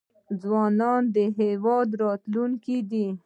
ځوانان د هیواد راتلونکی دی